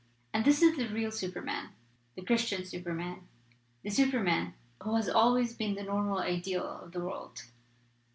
And that is the real Superman, the Christian Superman, the Superman who has al ways been the normal ideal of the world.